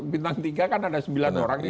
bintang tiga kan ada sembilan orang